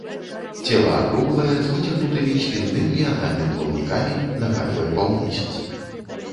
Цела акруглае, з выцягнутымі спінным і анальным плаўнікамі, нагадвае паўмесяц.